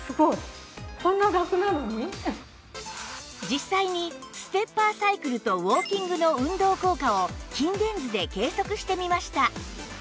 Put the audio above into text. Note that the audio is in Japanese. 実際にステッパーサイクルとウォーキングの運動効果を筋電図で計測してみました